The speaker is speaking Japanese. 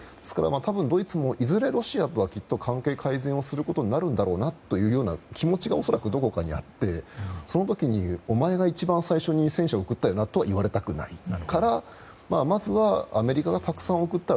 ドイツもいずれロシアとは関係改善することになるんだろうなという気持ちが恐らくどこかにあってその時にお前が一番最初に戦車送ったよなとは言われたくないからまずはアメリカがたくさん送ったら